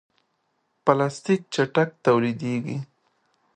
پلاستيک چټک تولیدېږي.